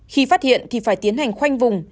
khi phát hiện thì phải tiến hành khoanh vùng